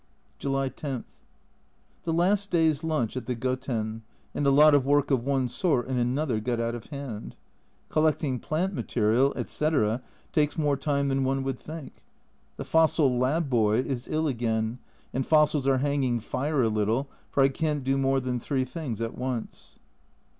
July 10. The last day's lunch at the Goten, and a lot of work of one sort and another got out of hand. Collecting plant material, etc., takes more time than one would think. The fossil lab. boy is ill again, and fossils are hanging fire a little, for I can't do more than three things at once.